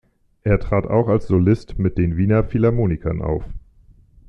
Er trat auch als Solist mit den Wiener Philharmonikern auf.